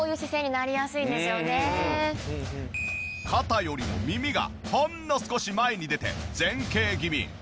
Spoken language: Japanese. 肩よりも耳がほんの少し前に出て前傾気味。